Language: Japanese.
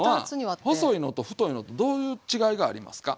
細いのと太いのとどういう違いがありますか？